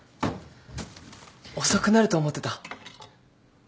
遅くなると思ってた